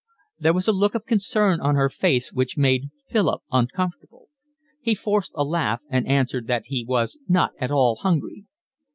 There was a look of concern on her face which made Philip uncomfortable. He forced a laugh and answered that he was not at all hungry.